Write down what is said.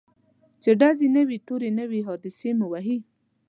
چي ډزي نه وي توری نه وي حادثې مو وهي